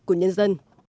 của nhân dân